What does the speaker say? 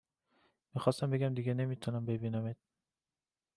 می خواستم بگم دیگه نمی تونم ببینمت